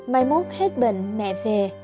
mai mốt hết bệnh mẹ về